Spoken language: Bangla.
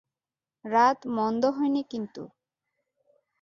রাত মন্দ হয় নি কিন্তু।